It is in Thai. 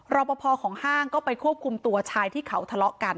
รอปภของห้างก็ไปควบคุมตัวชายที่เขาทะเลาะกัน